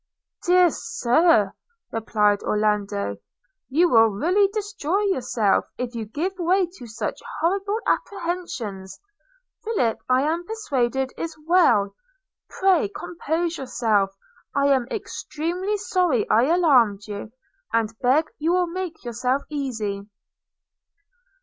'Dear Sir,' replied Orlando, 'you will really destroy yourself, if you give way to such horrible apprehensions; Philip, I am persuaded, is well. – Pray compose yourself; I am extremely sorry I alarmed you, and beg you will make yourself easy.'